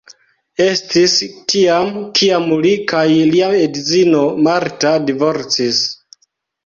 Estis tiam kiam li kaj lia edzino Martha divorcis.